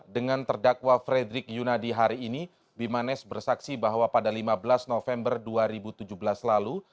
dengan terdakwa fredrik yunadi hari ini bimanes bersaksi bahwa pada lima belas november dua ribu tujuh belas lalu